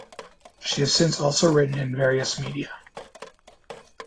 She has since also written in various media.